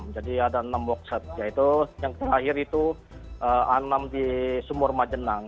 jadi ada enam wakset yaitu yang terakhir itu a enam di sumur majenang